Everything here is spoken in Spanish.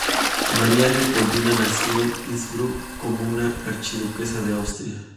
María Leopoldina nació en Innsbruck como una archiduquesa de Austria.